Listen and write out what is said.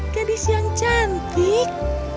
gadis yang cantik